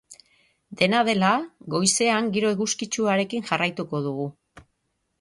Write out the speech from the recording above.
Dena dela, goizean giro eguzkitsuarekin jarraituko dugu.